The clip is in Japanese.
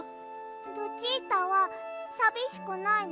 ルチータはさびしくないの？